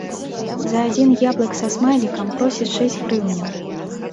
За адзін яблык са смайлікам просяць шэсць грыўняў.